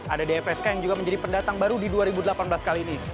ada dfsk yang juga menjadi pendatang baru di dua ribu delapan belas kali ini